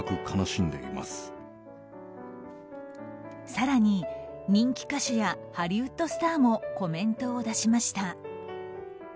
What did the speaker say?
更に、人気歌手やハリウッドスターもコメントを出しました。